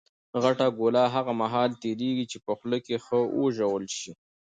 غټه ګوله هغه مهال تېرېږي، چي په خوله کښي ښه وژول سي.